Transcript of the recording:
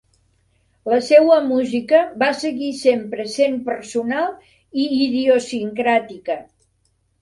La seua música va seguir sempre sent personal i idiosincràtica.